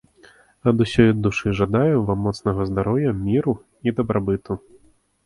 Ад усёй душы жадаю вам моцнага здароўя, міру і дабрабыту.